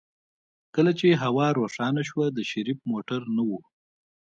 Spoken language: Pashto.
کله چې هوا روښانه شوه د شريف موټر نه و.